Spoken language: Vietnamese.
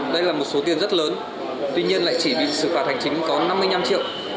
đây là một số tiền rất lớn tuy nhiên lại chỉ bị xử phạt hành chính có năm mươi năm triệu